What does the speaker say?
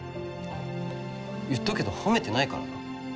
言っとくけど褒めてないからな。